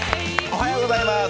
おはようございます。